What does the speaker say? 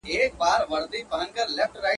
نه رابیا نه فتح خان سته نه برېتونه په شپېلۍ کي.